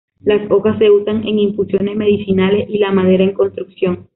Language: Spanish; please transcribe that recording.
Las hojas se usan en infusiones medicinales y la madera en construcción.